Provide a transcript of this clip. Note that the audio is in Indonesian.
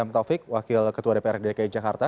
m taufik wakil ketua dpr dki jakarta